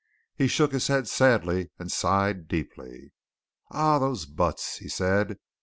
He shook his head sadly, and sighed deeply. "Ah, those buts!" he said.